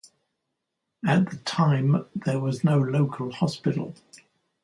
At the time, there was no local hospital.